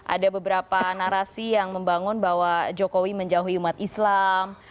ada beberapa narasi yang membangun bahwa jokowi menjauhi umat islam